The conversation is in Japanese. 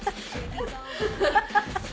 ハハハハハ！